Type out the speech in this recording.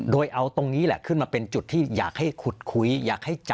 โดยเอาตรงนี้แหละขึ้นมาเป็นจุดที่อยากให้ขุดคุย